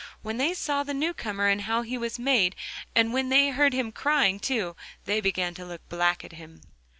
When they saw the new comer and how he was made, and when they heard him crying too, they began to look black at him.